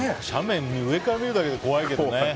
斜面を上から見るだけで怖いけどね。